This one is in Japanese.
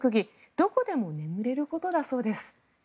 どこでも眠れることだそうです。